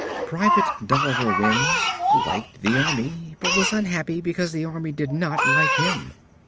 Private Dolliver Wims liked the Army but was unhappy because the Army did not like him.